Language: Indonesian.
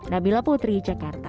nabila putri jakarta